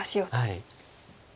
はい。